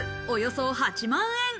およそ８万円。